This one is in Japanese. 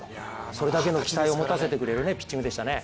それだけの期待を持たせてくれるピッチングでしたね。